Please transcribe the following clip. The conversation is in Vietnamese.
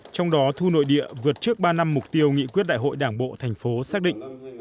trong đó thu nội địa vượt trước ba năm mục tiêu nghị quyết đại hội đảng bộ thành phố xác định